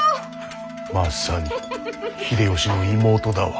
まさに秀吉の妹だわ。